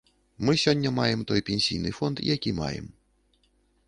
Мы сёння маем той пенсійны фонд, які маем.